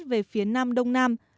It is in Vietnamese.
về phía nam đông nam